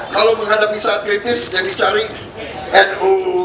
kalau menghadapi saat kritis jangan dicari nu